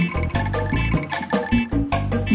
bukan mau jual tanah